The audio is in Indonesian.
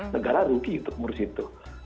negara rugi untuk menurut situ